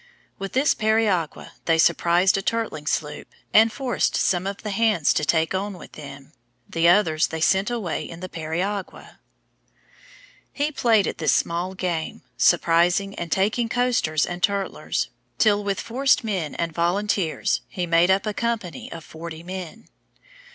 With this periagua they surprised a turtling sloop, and forced some of the hands to take on with them; the others they sent away in the periagua. He played at this small game, surprising and taking coasters and turtlers, till with forced men and volunteers he made up a company of 40 men.